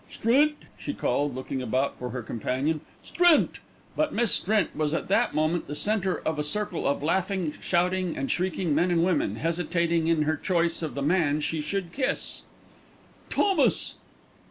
"Strint," she called, looking about for her companion, "Strint." But Miss Strint was at that moment the centre of a circle of laughing, shouting, and shrieking men and women, hesitating in her choice of the man she should kiss. "Thomas!"